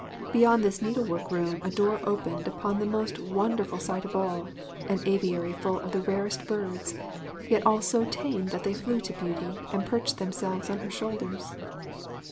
Beyond this needlework room a door opened upon the most wonderful sight of all an aviary full of the rarest birds, yet all so tame that they flew to Beauty, and perched themselves on her shoulders.